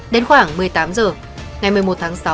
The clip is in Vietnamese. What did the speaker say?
đến khoảng một mươi tám h ngày một mươi một tháng sáu